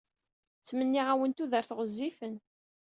Ttmenniɣ-awen tudert ɣezzifen.